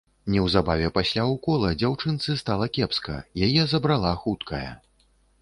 Неўзабаве пасля ўкола дзяўчынцы стала кепска, яе забрала хуткая.